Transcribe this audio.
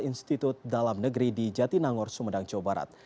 institut dalam negeri di jatinangor sumedang jawa barat